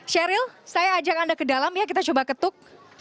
sheryl saya ajak anda ke dalam ya kita coba ketuk